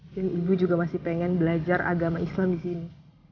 dan ibu juga masih pengen belajar agama islam di sini